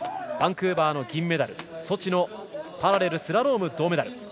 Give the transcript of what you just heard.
バンクーバーの銀メダルソチのパラレルスラローム銅メダル。